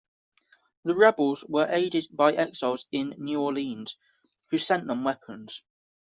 The rebels were aided by the exiles in New Orleans, who sent them weapons.